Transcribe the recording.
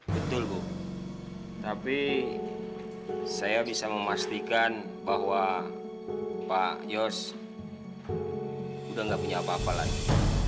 betul bu tapi saya bisa memastikan bahwa pak yos sudah nggak punya apa apa lagi